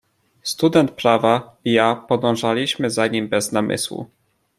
"Student prawa i ja podążyliśmy za nim bez namysłu."